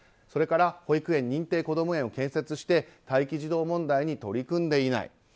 それから保育園、認定こども園を建設して待機児童問題に取り組んでいない。